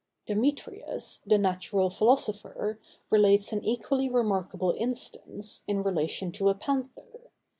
Demetrius, the natural philosopher, relates an equally remarkable instance, in relation to a panther.